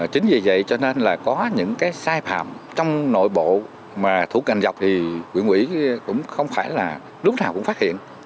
chính vì vậy cho nên là có những cái sai phạm trong nội bộ mà thủ cành dọc thì quyện quỹ cũng không phải là lúc nào cũng phát hiện